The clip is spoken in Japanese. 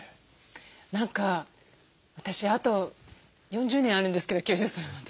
何か私あと４０年あるんですけど９０歳まで。